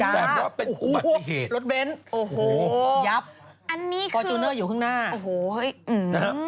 แบบว่าเป็นอุบัติเหตุโอ้โฮยับฟอร์ชูเนอร์อยู่ขึ้นหน้าอันนี้คือโอ้โฮ